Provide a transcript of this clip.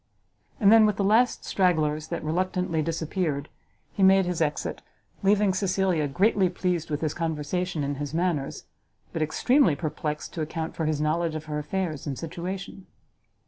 And then, with the last stragglers that reluctantly disappeared, he made his exit, leaving Cecilia greatly pleased with his conversation and his manners, but extremely perplexed to account for his knowledge of her affairs and situation.